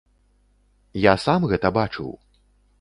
Я сам гэта бачыў.